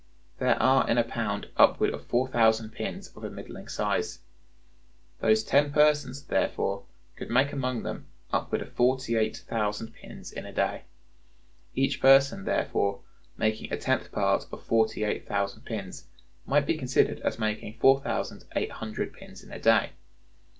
There are in a pound upward of four thousand pins of a middling size. Those ten persons, therefore, could make among them upward of forty eight thousand pins in a day. Each person, therefore, making a tenth part of forty eight thousand pins, might be considered as making four thousand eight hundred pins in a day.